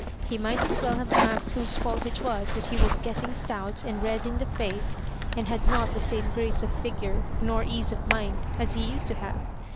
He might as well have asked whose fault it was that he was getting stout and red in the face, and had not the same grace of figure nor ease of mind as he used to have?